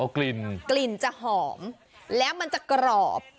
กลิ่นที่จะหอมและมันจะกรอบ